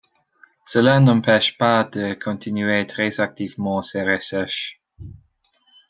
Cela ne l'empêche pas de continuer très activement ses recherches.